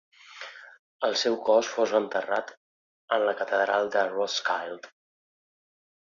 El seu cos fou enterrat en la Catedral de Roskilde.